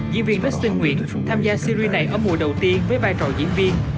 diễn viên victsing nguyễn tham gia series này ở mùa đầu tiên với vai trò diễn viên